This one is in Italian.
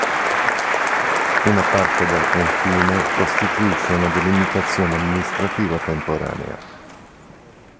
Una parte del confine costituisce una delimitazione amministrativa temporanea.